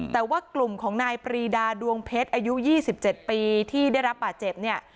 แต่ว่ากลุ่มของนายปรีดาดวงเพชรอายุ๒๗ปีที่ได้รับบาดเจ็บเนี่ย